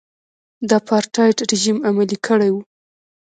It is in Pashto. د اپارټایډ رژیم عملي کړی و.